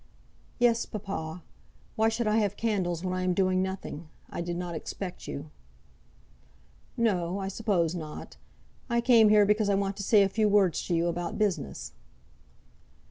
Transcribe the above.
"Yes, papa. Why should I have candles when I am doing nothing? I did not expect you." "No; I suppose not. I came here because I want to say a few words to you about business."